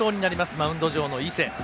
マウンド上の伊勢。